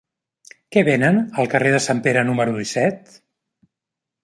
Què venen al carrer de Sant Pere número disset?